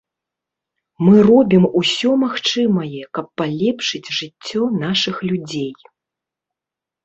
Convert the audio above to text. Мы робім усё магчымае, каб палепшыць жыццё нашых людзей.